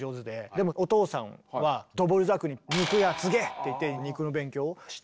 でもお父さんはドボルザークに「肉屋継げ！」って言って肉の勉強をして。